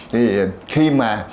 thì khi mà